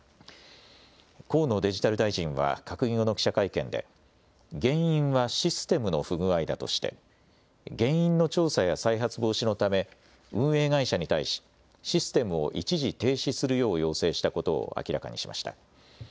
河野デジタル大臣は閣議後の記者会見で、原因はシステムの不具合だとして、原因の調査や再発防止のため、運営会社に対し、システムを一時停止するよう要請したことを明らかにしました。